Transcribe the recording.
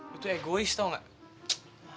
lu tuh egois tau nggak